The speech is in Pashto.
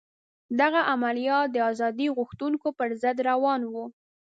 دغه عملیات د ازادي غوښتونکو پر ضد روان وو.